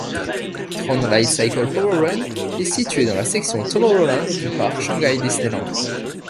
Tron Lightcycle Power Run est située dans la section Tomorrowland du parc Shanghai Disneyland.